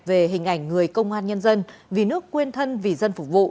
về hình ảnh người công an nhân dân vì nước quên thân vì dân phục vụ